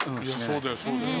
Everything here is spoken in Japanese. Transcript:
そうだよそうだよ。